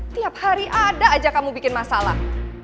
tiap hari ada aja kamu bikin masalah